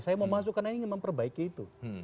saya mau masuk karena ingin memperbaiki itu